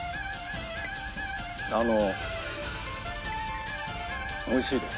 あの美味しいです。